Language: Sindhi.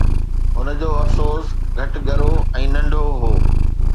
هن جو افسوس گهٽ ڳرو ۽ ننڍو هو